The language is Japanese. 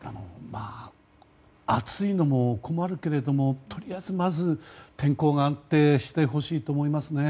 暑いのも困るけれどもまず、天候が安定してほしいと思いますね。